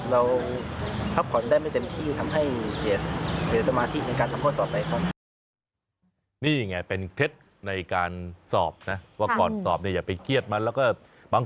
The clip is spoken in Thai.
เราพักผ่อนได้ไม่เต็มที่ทำให้เสียสมาธิในการทำข้อสอบหลายคน